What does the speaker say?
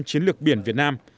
chiến lược biển việt nam